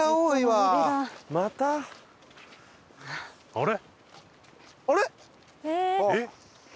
あれ？